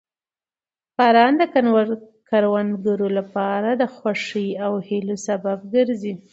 باران د کروندګرو لپاره د خوښۍ او هیلو سبب ګرځي